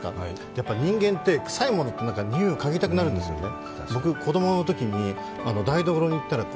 やっぱり人間ってくさいものって、においかぎたくなるんですよね。